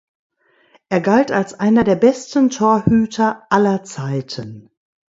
Er galt als einer der besten Torhüter aller Zeiten.